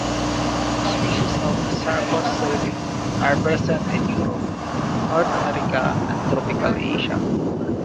Species of "Sarcoscypha" are present in Europe, North America and tropical Asia.